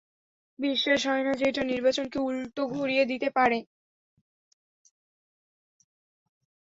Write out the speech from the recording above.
বিশ্বাস হয় না যে, এটা নির্বাচনকে উল্টো ঘুরিয়ে দিতে পারে?